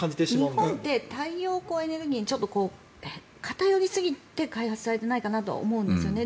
日本って太陽光エネルギーにちょっと偏りすぎて開発されていないかと思うんですよね。